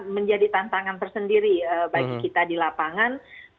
menjadi tantangan tersendiri bagi kita di lapangan